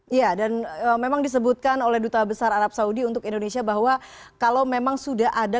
iya dan memang disebutkan oleh duta besar arab saudi untuk indonesia bahwa kalau memang sudah ada